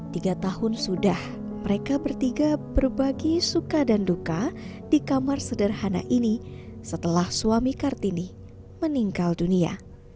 tiga tahun sudah mereka bertiga berbagi suka dan duka di kamar sederhana ini setelah suami kartini meninggal dunia